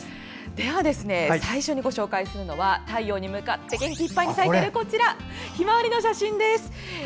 最初にご紹介するのは太陽に向かって元気いっぱいに咲いているひまわりの写真です。